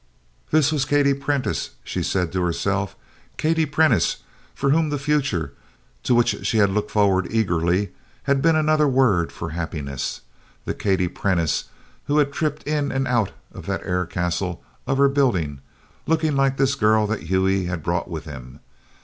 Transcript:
This was Katie Prentice, she said to herself Katie Prentice for whom the future, to which she had looked forward eagerly, had been another word for happiness the Katie Prentice who had tripped in and out of that air castle of her building, looking like this girl that Hugh had brought with him.